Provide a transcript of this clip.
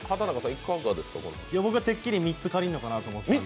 僕はてっきり、３つ借りるのかなと思ってた。